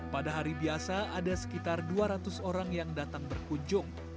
pada hari biasa ada sekitar dua ratus orang yang datang berkunjung